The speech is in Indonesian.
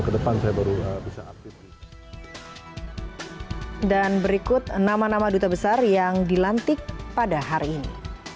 dan berikut nama nama duta besar yang dilantik pada hari ini